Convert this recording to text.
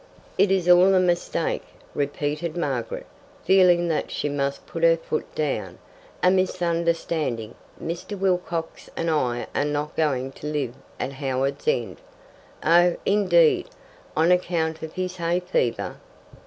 "It is all a mistake," repeated Margaret, feeling that she must put her foot down. "A misunderstanding. Mr. Wilcox and I are not going to live at Howards End." "Oh, indeed. On account of his hay fever?"